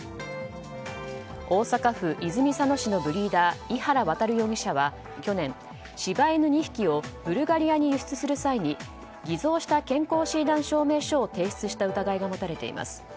大阪府泉佐野市のブリーダー井原渉容疑者は去年、柴犬２匹をブルガリアに輸出する際に偽造した健康診断証明書を提出した疑いが持たれています。